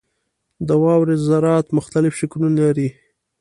• د واورې ذرات مختلف شکلونه لري.